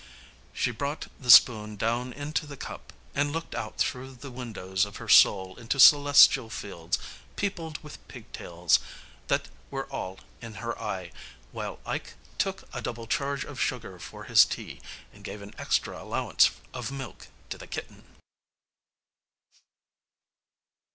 She brought the spoon down into the cup, and looked out through the windows of her soul into celestial fields, peopled with pig tails, that were all in her eye, while Ike took a double charge of sugar for his tea, and gave an extra allowance of milk to the kitten.